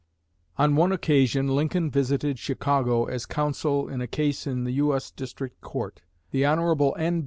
On one occasion Lincoln visited Chicago as counsel in a case in the U.S. District Court. The Hon. N.